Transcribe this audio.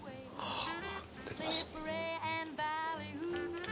いただきます。